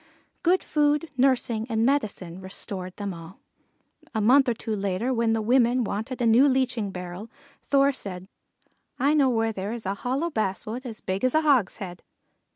Good food, nursing, and medicine restored them all. A month or two later, when the women wanted a new leaching barrel, Thor said: "I know where there is a hollow basswood as big as a hogshead."